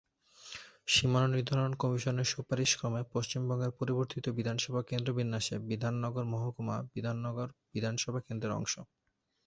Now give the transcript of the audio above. সীমানা নির্ধারণ কমিশনের সুপারিশ ক্রমে পশ্চিমবঙ্গের পরিবর্তিত বিধানসভা কেন্দ্র বিন্যাসে বিধাননগর মহকুমা বিধাননগর বিধানসভা কেন্দ্রের অংশ।